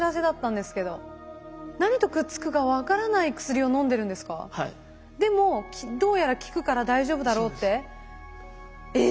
でもどうやら効くから大丈夫だろうって？